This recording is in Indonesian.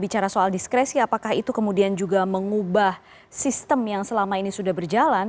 bicara soal diskresi apakah itu kemudian juga mengubah sistem yang selama ini sudah berjalan